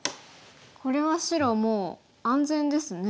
これは白もう安全ですね。